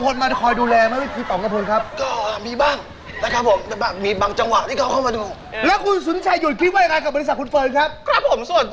จะมีทำบ้านเฮ้ยเฮ้ยเฮ้ยเฮ้ยโอ้โห